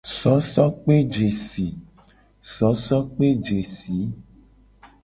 Sosokpejesi.